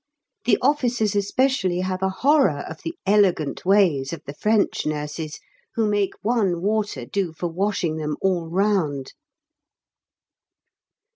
The officers especially have a horror of the elegant ways of the French nurses, who make one water do for washing them all round!